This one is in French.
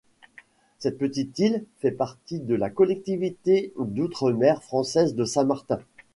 Cette petite île fait partie de la collectivité d'outre-mer française de Saint-Martin.